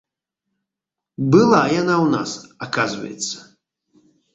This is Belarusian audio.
Была яна ў нас, аказваецца.